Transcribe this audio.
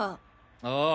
ああ。